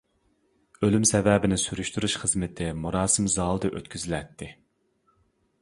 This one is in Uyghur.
ئۆلۈم سەۋەبىنى سۈرۈشتۈرۈش خىزمىتى مۇراسىم زالىدا ئۆتكۈزۈلەتتى.